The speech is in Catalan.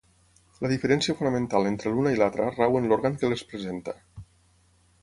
La diferència fonamental entre l'una i l'altra rau en l'òrgan que les presenta.